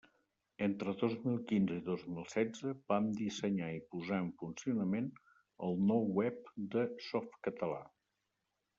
Entre dos mil quinze i dos mil setze, vam dissenyar i posar en funcionament el nou web de Softcatalà.